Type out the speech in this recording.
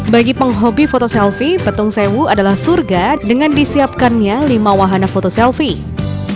bagi penghobi foto selfie petung sewu adalah surga dengan disiapkannya lima wahana foto selfie